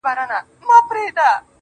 یو مخکښ او ماهر استاد هم و